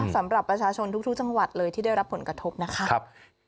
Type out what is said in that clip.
สำหรับประชาชนทุกจังหวัดเลยที่ได้รับผลกระทบนะคะ